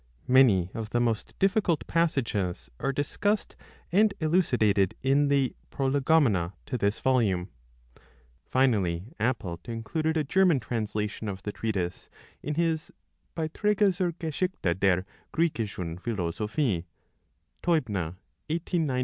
Many of the most difficult passages are discussed and elucidated in the prolegomena to this volume. Finally, Apelt included a German translation of the treatise in his Beitrdge zur Geschichte der gricchischen Philosophie (Teubner, 1891).